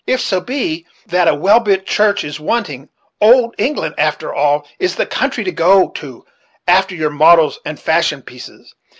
If so be that a well built church is wanting, old England, after all, is the country to go to after your models and fashion pieces.